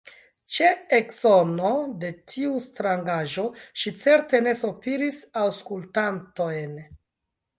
Ĉe eksono de tiu strangaĵo ŝi certe ne sopiris aŭskultantojn.